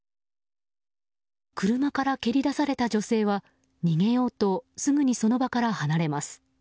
車から蹴り出された女性は逃げようとすぐにその場から離れます。